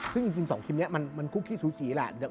ซึ่งจริง๒คลิปนี้มันคุกขี้สูสีแหละ